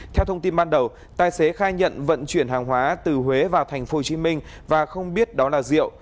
theo thông tin ban đầu tài xế khai nhận vận chuyển hàng hóa từ huế vào tp hcm và không biết đó là rượu